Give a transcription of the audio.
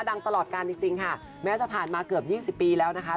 ดังตลอดการจริงค่ะแม้จะผ่านมาเกือบ๒๐ปีแล้วนะคะ